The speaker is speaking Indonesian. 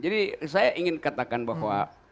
jadi saya ingin katakan bahwa